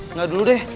enggak dulu deh